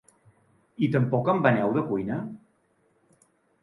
I tampoc en veneu de cuina?